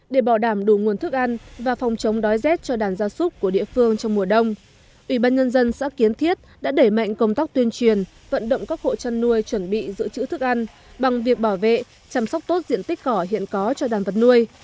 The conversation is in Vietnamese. để bảo đảm đủ nguồn thức ăn và phòng chống đói rét cho đàn gia súc của địa phương trong mùa đông ủy ban nhân dân xã kiến thiết đã đẩy mạnh công tác tuyên truyền vận động các hộ chăn nuôi chuẩn bị giữ chữ thức ăn bằng việc bảo vệ chăm sóc tốt diện tích cỏ hiện có cho đàn vật nuôi